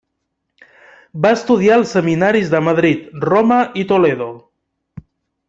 Va estudiar als seminaris de Madrid, Roma i Toledo.